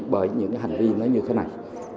bởi những cái hành vi nói như thế này